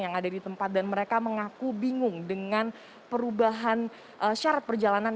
yang ada di tempat dan mereka mengaku bingung dengan perubahan syarat perjalanan